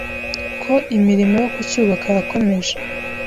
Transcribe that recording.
ko imirimo yo kucyubaka yakomeje